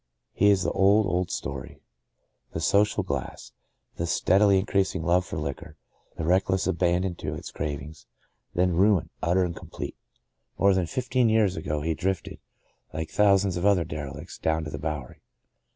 His is the old, old story. The social glass, the steadily increasing love for liquor, the reckless abandon to its crav ings, then ruin — utter and complete. More than fifteen years ago he drifted, like thou sands of other derelicts — down to the Bowery.